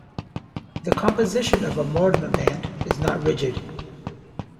The composition of a morna band is not rigid.